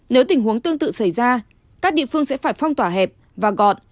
nếu tình huống tương tự xảy ra các địa phương sẽ phải phong tỏa hẹp và gọn